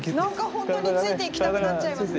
本当についていきたくなっちゃいますね。